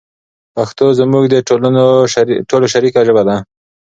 پښتو زموږ د ټولو شریکه ژبه ده.